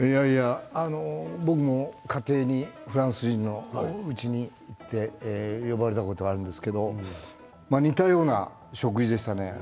僕も家庭にフランス人のうちに行って呼ばれたことがあるんですけれど似たような食事でしたね。